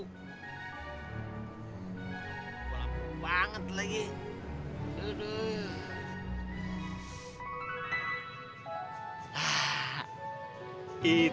gampu banget lagi